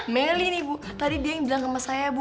melly nih bu tadi dia yang bilang sama saya bu